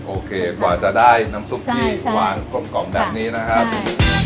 โอเคกว่าจะได้น้ำซุกกี้ใช่ใช่หวานกลมกล่อมแบบนี้นะฮะใช่